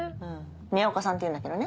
宮岡さんっていうんだけどね。